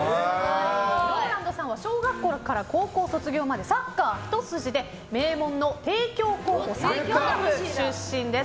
ＲＯＬＡＮＤさんは小学校から高校卒業までサッカーひと筋で名門の帝京高校サッカー部出身です。